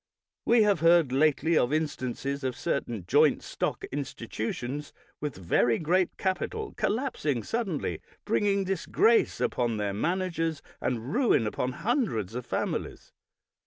We have heard lately of instances of certain joint stock institutions with very great capital collapsing suddenly, bringing dis grace upon their managers and ruin upon hun dreds of families.